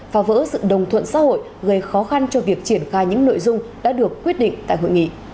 phá vỡ sự đồng thuận xã hội gây khó khăn cho việc triển khai những nội dung đã được quyết định tại hội nghị